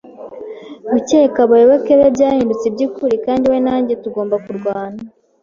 gukeka abayoboke be byahindutse byukuri kandi we na njye tugomba kurwana